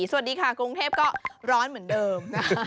สวัสดีค่ะกรุงเทพก็ร้อนเหมือนเดิม